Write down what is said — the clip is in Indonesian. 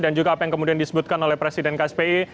dan juga apa yang kemudian disebutkan oleh presiden kspi